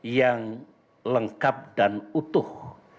yang lengkap dan utuh